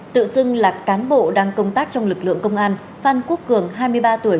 tự xưng là cán bộ đang công tác trong lực lượng công an phan quốc cường hai mươi ba tuổi